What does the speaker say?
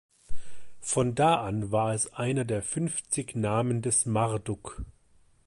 Von da an war es einer der fünfzig Namen des Marduk.